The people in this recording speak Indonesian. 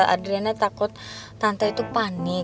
adrena takut tante itu panik